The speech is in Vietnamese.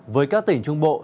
với các tỉnh trung bộ